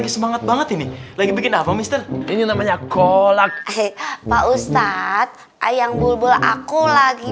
semangat banget ini lagi bikin apa mister ini namanya kolak ke pak ustadz ayam bulbul aku lagi